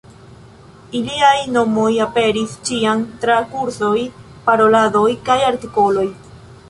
Iliaj nomoj aperis ĉiam tra kursoj, paroladoj kaj artikoloj.